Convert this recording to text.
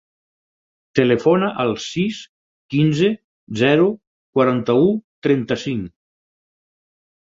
Telefona al sis, quinze, zero, quaranta-u, trenta-cinc.